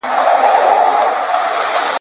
له چا ټوله نړۍ پاته له چا یو قلم پاتیږي ..